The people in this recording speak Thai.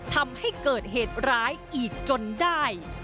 ทำให้เกิดเหตุร้ายอีกจนได้